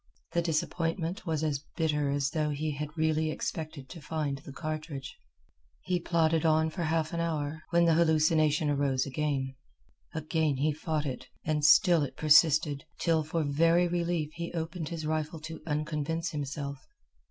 The disappointment was as bitter as though he had really expected to find the cartridge. He plodded on for half an hour, when the hallucination arose again. Again he fought it, and still it persisted, till for very relief he opened his rifle to unconvince himself.